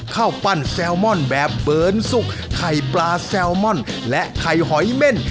ข้าวปั้นแซลมอนแบบเบิร์นสุกไข่ปลาแซลมอนและไข่หอยเม่น